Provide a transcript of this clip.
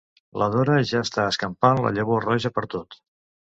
La Dora ja està escampant la llavor roja pertot.